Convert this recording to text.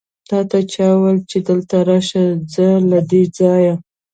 تاته چا وويل چې دلته راشه؟ ځه له دې ځايه!